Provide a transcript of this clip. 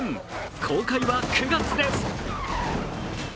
公開は９月です。